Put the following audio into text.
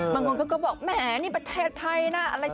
บางคนก็บอกแหมนี่ประเทศไทยนะ